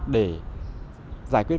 để giải quyết